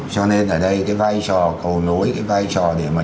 cho nên ở đây cái vai trò cầu nối cái vai trò để mà